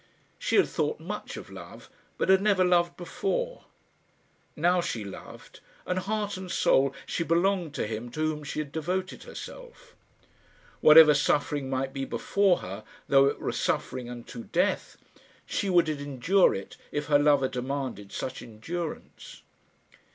She had thought much of love, but had never loved before. Now she loved, and, heart and soul, she belonged to him to whom she had devoted herself. Whatever suffering might be before her, though it were suffering unto death, she would endure it if her lover demanded such endurance.